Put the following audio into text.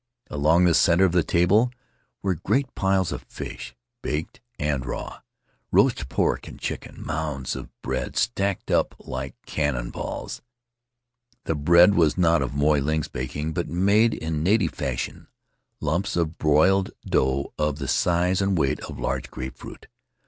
Along the center of the table were great piles of fish, baked and raw; roast pork and chicken; mounds of bread stacked up like cannon [ 162 ] An Adventure in Solitude balls. The bread was not of Moy Ling's baking, but made in native fashion — lumps of boiled dough of the size and weight of large grape fruit.